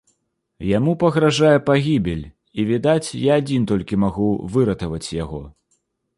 Яму пагражае пагібель, і, відаць, я адзін толькі магу выратаваць яго.